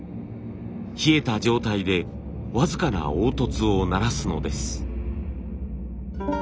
冷えた状態で僅かな凹凸をならすのです。